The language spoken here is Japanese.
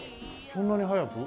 そんなに早く？